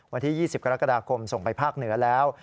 วันที่๒๐กรกฎาคมส่งไปภาคเหนือแล้ว